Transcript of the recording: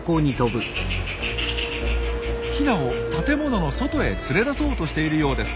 ヒナを建物の外へ連れ出そうとしているようです。